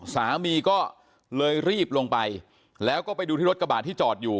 สามีก็เลยรีบลงไปแล้วก็ไปดูที่รถกระบาดที่จอดอยู่